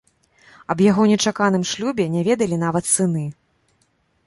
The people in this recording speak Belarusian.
Аб яго нечаканым шлюбе не ведалі нават сыны.